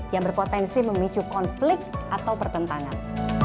yang berpotensi memicu konflik atau pertentangan